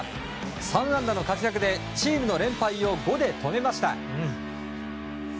３安打の活躍でチームの連敗を５で止めました。